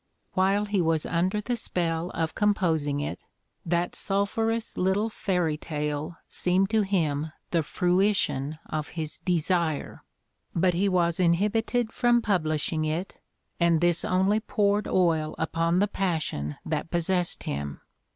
While he was under the spell of composing it, that sulphurous little fairy tale seemed to him the fruition of his desire. But he was inhibited from publishing it and this only poured oil upon the passion that possessed him.